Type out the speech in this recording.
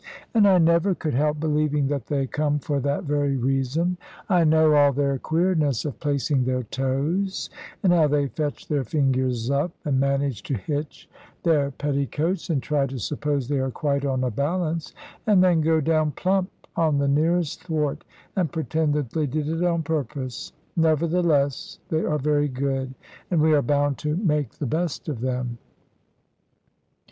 And I never could help believing that they come for that very reason. I know all their queerness of placing their toes, and how they fetch their figures up, and manage to hitch their petticoats, and try to suppose they are quite on a balance, and then go down plump on the nearest thwart, and pretend that they did it on purpose. Nevertheless they are very good; and we are bound to make the best of them.